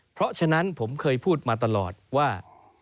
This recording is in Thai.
เพราะฉะนั้นผมเคยพูดมาตลอดว่า